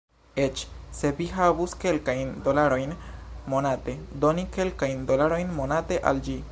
Eĉ se vi havus kelkajn dolarojn monate, doni kelkajn dolarojn monate... al ĝi...